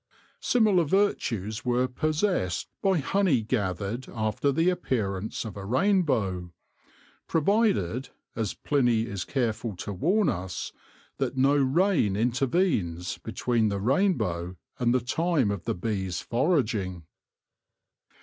Similar virtues were possessed by honey gathered after the appearance of a rainbow, provided — as Pliny is careful to warn us — that no rain intervenes between the rainbow and the time of the bees' foraging.